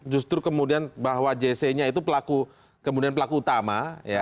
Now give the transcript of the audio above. justru kemudian bahwa jc nya itu pelaku kemudian pelaku utama